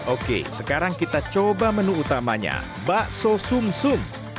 oke sekarang kita coba menu utamanya bakso sum sum